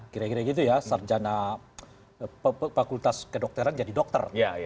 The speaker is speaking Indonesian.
kira kira gitu ya sarjana fakultas kedokteran jadi dokter